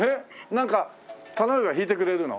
なんか頼めば弾いてくれるの？